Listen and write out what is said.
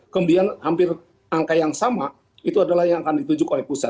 kemudian hampir angka yang sama itu adalah yang akan ditunjuk oleh pusat